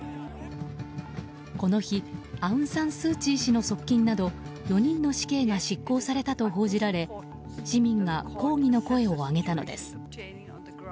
この日アウン・サン・スー・チー氏の側近など４人の死刑が執行されたと報じられ市民が抗議の声を上げたのです。